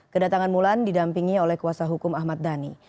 kedatangan mulan didampingi oleh kuasa hukum ahmad dhani